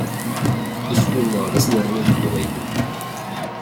Iswi-nneɣ d asnerni n teqbaylit.